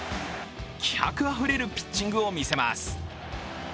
気迫あふれるピッチングを見せます。